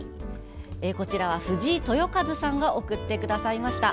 藤井豊和さんが送ってくださいました。